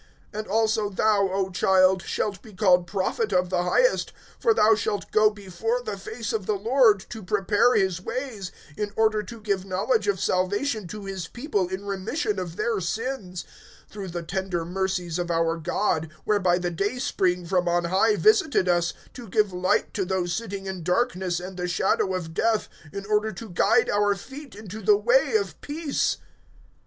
(76)And also thou, O child, shalt be called Prophet of the Highest; for thou shalt go before the face of the Lord, to prepare his ways, (77)in order to give knowledge of salvation to his people in remission of their sins; (78)through the tender mercies of our God, whereby the dayspring from on high visited us, (79)to give light to those sitting in darkness and the shadow of death, in order to guide our feet into the way of peace.